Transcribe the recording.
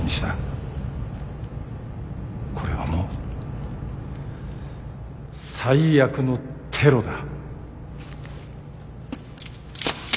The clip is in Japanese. これはもう最悪のテロだ。